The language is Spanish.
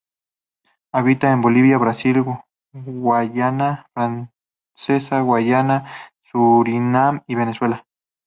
Habita en Bolivia, Brasil, Guayana Francesa, Guayana, Surinam y Venezuela.